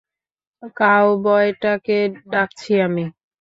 কাউবয়টাকে ডাকছি আমি।